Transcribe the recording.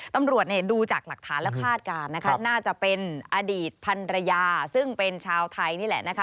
ตำรวจดูจากหลักฐานและคาดการณ์นะคะน่าจะเป็นอดีตพันรยาซึ่งเป็นชาวไทยนี่แหละนะคะ